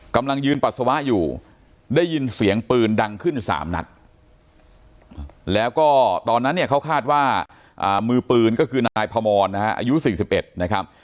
กำลังยืนปัสสาวะอยู่ได้ยินเสียงปืนดังขึ้น๓นัดแล้วก็ตอนนั้นเนี่ยเขาคาดว่ามือปืนก็คือนายพมรนะฮะอายุ๔๑นะครับ